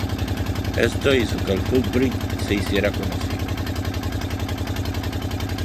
Esto hizo que Fulbright se hiciera conocido.